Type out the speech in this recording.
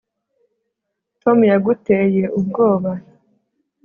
tom yaguteye ubwoba